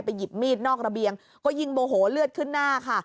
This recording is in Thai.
หยิบมีดนอกระเบียงก็ยิ่งโมโหเลือดขึ้นหน้าค่ะ